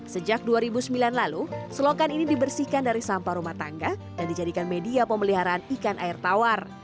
sejak dua ribu sembilan lalu selokan ini dibersihkan dari sampah rumah tangga dan dijadikan media pemeliharaan ikan air tawar